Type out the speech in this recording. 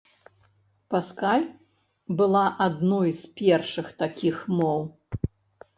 Паскаль была адной з першых такіх моў.